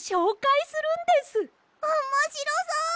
おもしろそう！